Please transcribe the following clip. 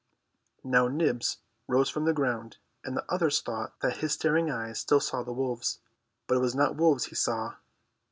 Now Nibs rose from the ground, and the others thought that his staring eyes still saw the wolves. But it was not wolves he saw.